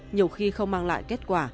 nhiều khi không mang lại kết quả